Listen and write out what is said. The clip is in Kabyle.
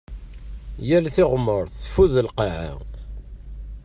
Yal tiɣmert teffud lqaɛa.